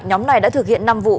nhóm này đã thực hiện năm vụ